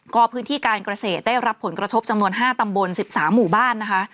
ก็พื้นที่การเกษตรได้รับผลกระทบจำนวน๕ตำบล๑๓หมู่บ้านนะคะ